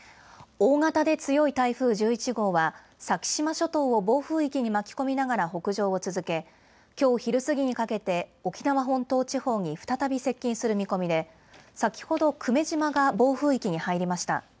大型で強い台風１１号は、先島諸島を暴風域に巻き込みながら北上を続け、きょう昼過ぎにかけて、沖縄本島地方に再び接近する見込みで、先ほど久米島が暴風域に入りました。